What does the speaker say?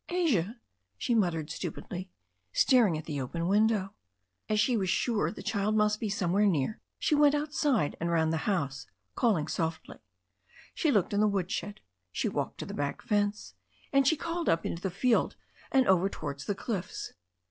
"Asia," she muttered stupidly, staring at the open win dow. As she was sure the child must be somewhere near she went outside and round the house, calling softly. She looked in the woodshed, she walked to the back fence, and she called up into the field and over towards the cliffs.